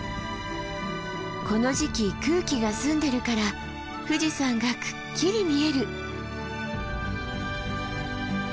この時期空気が澄んでるから富士山がくっきり見える。